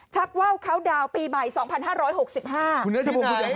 ว่าวเขาดาวน์ปีใหม่๒๕๖๕